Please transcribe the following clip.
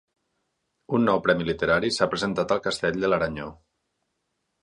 Un nou premi literari s'ha presentat al castell de l'Aranyó.